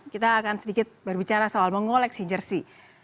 kita akan sedikit berbicara soal mengoleksi jersey